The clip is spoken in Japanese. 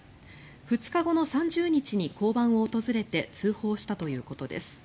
２日後の３０日に交番を訪れて通報したということです。